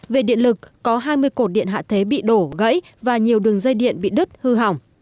về điện lực có hai mươi cột điện hạ thế bị đổ gãy và nhiều đường dây điện bị đứt hư hỏng